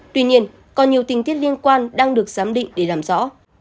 tuy nhiên còn nhiều tình tiết liên quan đang được giám định để làm rõ